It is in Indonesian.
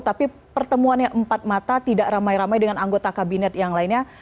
tapi pertemuan yang empat mata tidak ramai ramai dengan anggota kabinet yang lainnya